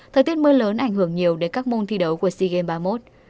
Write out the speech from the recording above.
thời tiết mưa lớn ảnh hưởng nhiều đến các môn thi đấu của sea games ba mươi một